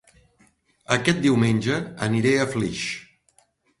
Aquest diumenge aniré a Flix